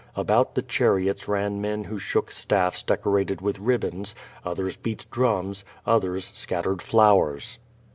About the chariots ran men who shook staffs deco rated with ribbons; others beat drums; others scattered flow ers.